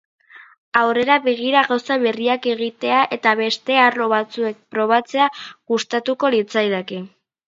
Aurrera begira, gauza berriak egitea eta beste arlo batzuetan probatzea gustatuko litzaidake.